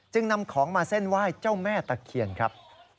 นำของมาเส้นไหว้เจ้าแม่ตะเคียนครับ